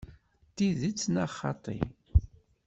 D tidet neɣ xaṭi?